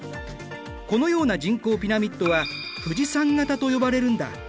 このような人口ピラミッドは富士山型と呼ばれるんだ。